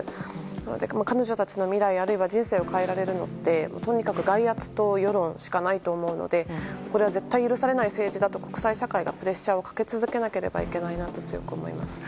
なので、彼女たちの未来あるいは人生を変えられるのはとにかく外圧と世論しかないと思うのでこれは絶対許されない政治だと国際社会がプレッシャーをかけ続けなければいけないなと強く思います。